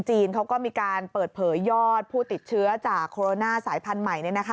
เขาก็มีการเปิดเผยยอดผู้ติดเชื้อจากโคโรนาสายพันธุ์ใหม่